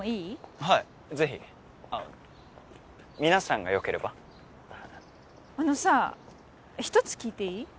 はいぜひあ皆さんがよければあのさ一つ聞いていい？